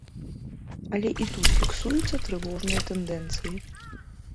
Але і тут фіксуюцца трывожныя тэндэнцыі.